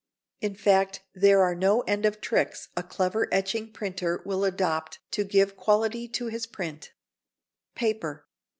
In fact there are no end of tricks a clever etching printer will adopt to give quality to his print. [Sidenote: Paper.